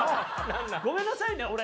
ごめんなさいね俺。